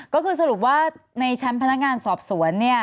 ก็คือสรุปว่าในชั้นพนักงานสอบสวนเนี่ย